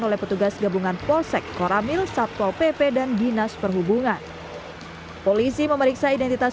oleh petugas gabungan polsek koramil satpol pp dan dinas perhubungan polisi memeriksa identitas